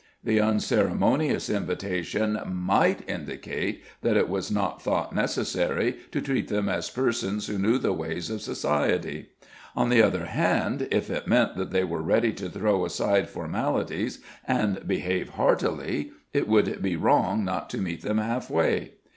The unceremonious invitation MIGHT indicate that it was not thought necessary to treat them as persons who knew the ways of society; on the other hand, if it meant that they were ready to throw aside formalities and behave heartily, it would be wrong not to meet them half way!